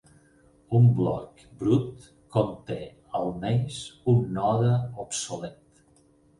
Un bloc "brut" conté al menys un node "obsolet".